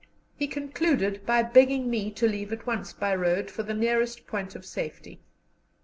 He concluded by begging me to leave at once by road for the nearest point of safety.